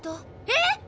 えっ！